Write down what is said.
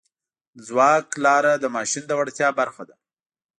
د ځواک لاره د ماشین د وړتیا برخه ده.